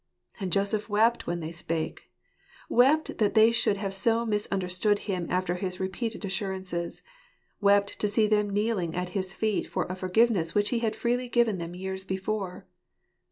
And Joseph wept when they spake ; wept that they should have so misunder stood him after his repeated assurances ; wept to see them kneeling at his feet for a forgiveness which he had freely given them years before.